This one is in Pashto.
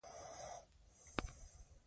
د هغې نقش به تل تایید کېږي.